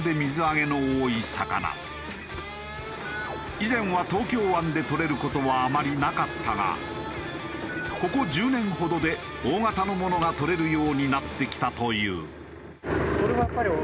以前は東京湾でとれる事はあまりなかったがここ１０年ほどで大型のものがとれるようになってきたという。